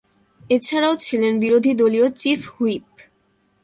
এছাড়াও ছিলেন বিরোধীদলীয় chief whip.